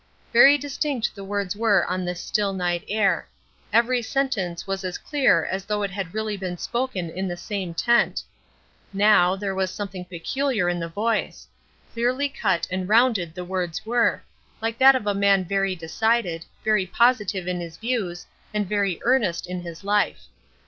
Very distinct the words were on this still night air; every sentence as clear as though it had really been spoken in the same tent. Now, there was something peculiar in the voice; clearly cut and rounded the words were, like that of a man very decided, very positive in his views, and very earnest in his life.